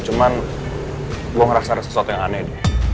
tapi saya merasa ada sesuatu yang aneh